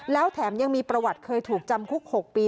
แล้วแถมยังมีประวัติเคยถูกจำคุก๖ปี